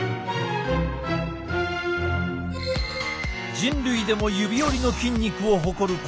人類でも指折りの筋肉を誇るこの男。